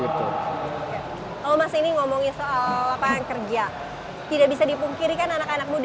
kalau mas ini ngomongin soal lapangan kerja tidak bisa dipungkirikan anak anak muda